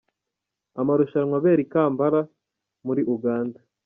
Amarushanwa abera i Kampala muri Uganda.